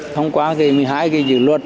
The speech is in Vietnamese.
thông qua cái một mươi hai cái dự luật